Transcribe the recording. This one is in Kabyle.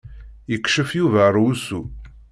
Yekcef Yuba ar wusu.